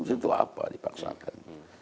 itu apa dipaksakan